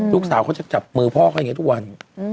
เขาจะจับมือพ่อเขาอย่างนี้ทุกวัน